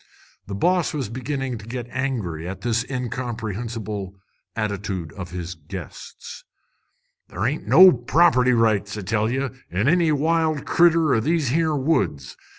The boss was beginning to get angry at this incomprehensible attitude of his guests. "Ther' ain't no property rights, I tell ye, in any wild critter o' these here woods.